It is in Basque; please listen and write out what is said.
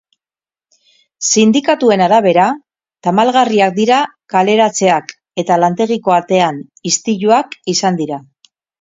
Sindikatuen arabera, tamalgarriak dira kaleratzeak, eta lantegiko atean istiluak izan dira.